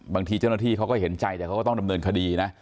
บางทีเจ้าหน้าที่เขาก็เห็นใจแต่เขาก็ต้องดำเนินคดีนะ